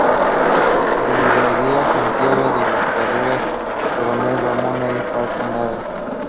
Rivadavia, Santiago de las Carreras, Coronel Ramón L. Falcón, Av.